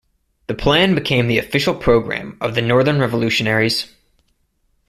The plan became the official program of the northern revolutionaries.